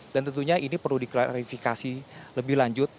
dan tentunya ini perlu diklarifikasi lebih lanjut